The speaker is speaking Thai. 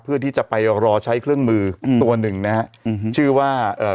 เพื่อที่จะไปรอใช้เครื่องมืออืมตัวหนึ่งนะฮะอืมชื่อว่าเอ่อ